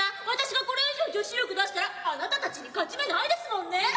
私がこれ以上女子力出したらあなたたちに勝ち目ないですもんね。